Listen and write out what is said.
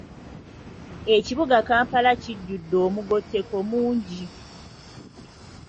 Ekibuga Kampala kijjudde omugotteko mungi.